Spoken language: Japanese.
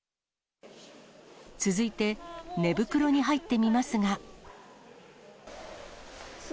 続いて寝袋に入ってみますが。